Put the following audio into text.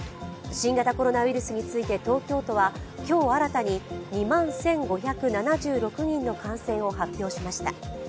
新型コロナウイルスについて東京都は今日新たに２万１５７６人の感染を発表しました。